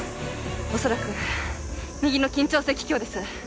恐らく右の緊張性気胸です